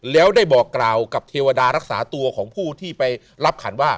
แล้วได้บอกกล่าวกับเทวดารักษาตัวของผู้ที่ไปรับขันว่า